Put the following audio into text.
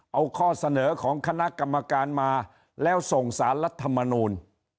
เอาข้อเสนอของคณะกรรมการมาแล้วส่งสารรัฐมนูล